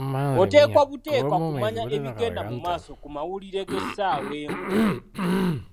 Oteekwa buteekwa kumanya ebigenda mu maaso ku mawulire g'essaawa emu.